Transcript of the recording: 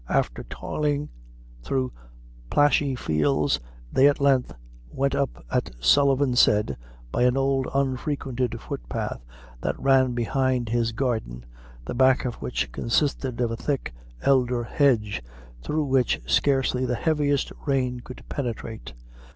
After toiling thro' plashy fields, they at length went up, as Sullivan had said, by an old unfrequented footpath, that ran behind his garden, the back of which consisted of a thick elder hedge, through which scarcely the heaviest rain could penetrate.